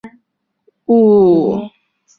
米拉山灯心草为灯心草科灯心草属的植物。